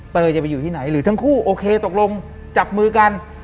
จะไปอยู่ที่ไหนหรือทั้งคู่โอเคตกลงจับมือกัน